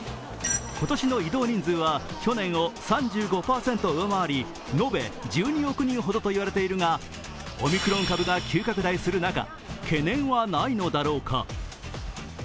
今年の移動人数は去年を３５％上回り、延べ１２億人ほどと言われているが、オミクロン株が急拡大する中、懸念はないのだろうか。